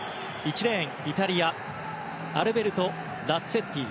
１レーンはイタリアのアルベルト・ラッツェッティ。